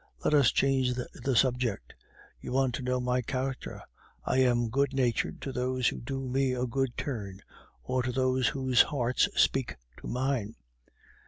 Let us change the subject. You want to know my character. I am good natured to those who do me a good turn, or to those whose hearts speak to mine.